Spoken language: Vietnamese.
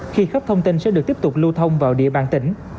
khi khắp thông tin sẽ được tiếp tục lưu thông vào địa bàn tỉnh